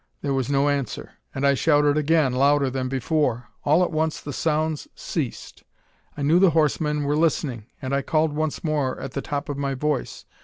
There was no answer; and I shouted again, louder than before. All at once the sounds ceased. I knew the horsemen were listening, and I called once more at the top of my voice.